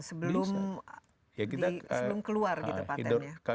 sebelum keluar patentnya